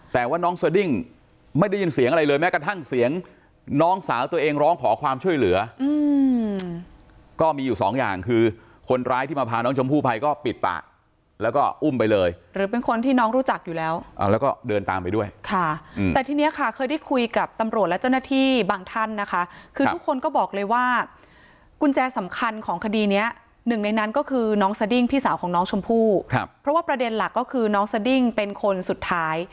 แต่ว่าน้องไม่ได้ยินเสียงอะไรเลยแม้กระทั่งเสียงน้องสาวตัวเองร้องขอความช่วยเหลืออืมก็มีอยู่สองอย่างคือคนร้ายที่มาพาน้องชมผู้ไปก็ปิดปากแล้วก็อุ้มไปเลยหรือเป็นคนที่น้องรู้จักอยู่แล้วอ่าแล้วก็เดินตามไปด้วยค่ะอืมแต่ที่เนี้ยค่ะเคยได้คุยกับตำรวจและเจ้าหน้าที่บางท่านนะคะคือทุกคนก็บอกเลยว่ากุญแจสำค